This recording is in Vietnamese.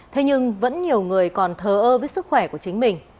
thế nhưng vẫn nhiều người còn thờ ơ với sức khỏe của chính mình